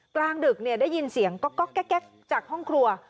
กลางดึกได้ยินเสียงก๊อกแก๊กจากห้องครัว